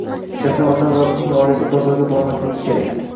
Kasal odam va uning oilasi bozorga bormasligi kerak